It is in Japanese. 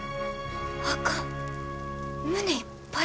あかん胸いっぱいや。